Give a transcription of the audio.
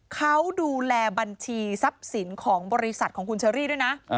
เขาดูแลบัญชีทรัพย์สินของบริษัทของคุณเชอรี่ด้วยนะ